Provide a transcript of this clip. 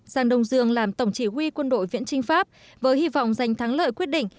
sang đông dương làm tổng chỉ huy quân đội viễn trinh pháp với hy vọng giành thắng lợi quyết định